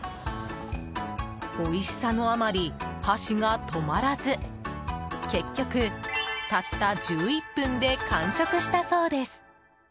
おいしさのあまり箸が止まらず結局、たった１１分で完食したそうです。